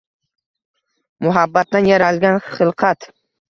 Muhabbatdan yaralgan xilqat!”